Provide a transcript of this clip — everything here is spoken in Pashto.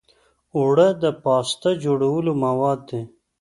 اوړه د پاستا جوړولو مواد دي